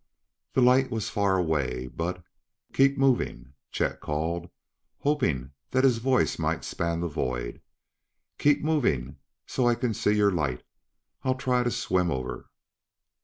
That light was far away, but, "Keep moving!" Chet called, hoping that his voice might span the void. "Keep moving so I can see your light! I'll try to swim over."